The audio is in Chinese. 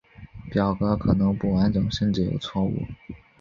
表格可能不完整甚至有错误。